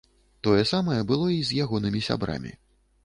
Тое самае было і з ягонымі сябрамі.